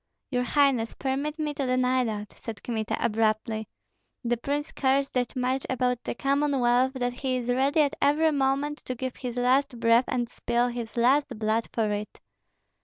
"Your highness, permit me to deny that," said Kmita, abruptly. "The prince cares that much about the Commonwealth that he is ready at every moment to give his last breath and spill his last blood for it."